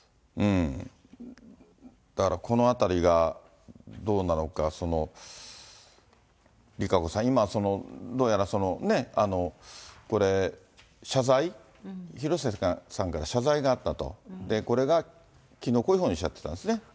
だからこのあたりがどうなのか、ＲＩＫＡＣＯさん、今、どうやら、これ、謝罪、広末さんから謝罪があったと、これがきのう、こういうふうにおっしゃってたんですね。